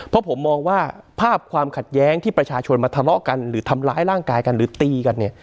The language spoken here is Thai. เพราะผมมองว่าภาพความขัดแย้งที่ประชาชนมาทะเลาะกันหรือทำร้ายร่างกายกันหรือตีกันเนี่ย